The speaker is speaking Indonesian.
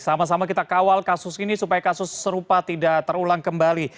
sama sama kita kawal kasus ini supaya kasus serupa tidak terulang kembali